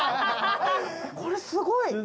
これすごい。